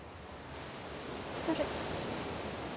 それ。